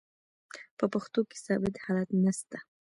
په پښتو کښي ثابت حالت نسته.